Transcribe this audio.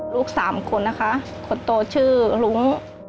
ลูก๓คนนะคะคนโตชื่อหลุง